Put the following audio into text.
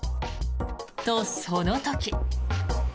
と、その時。